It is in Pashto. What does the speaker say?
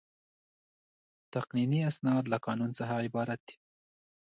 تقنیني اسناد له قانون څخه عبارت دي.